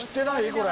これ。